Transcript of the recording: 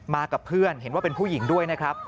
กับเพื่อนเห็นว่าเป็นผู้หญิงด้วยนะครับ